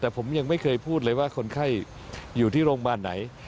แต่ผมยังไม่เคยพูดเลยว่าคนไข้อยู่ที่โรงพยาบาลไหน